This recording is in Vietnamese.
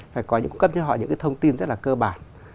phải có những cung cấp cho họ những cái thông tin rất là cơ bản